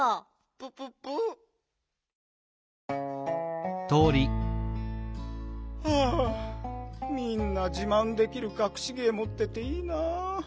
プププ？はあみんなじまんできるかくし芸もってていいなあ。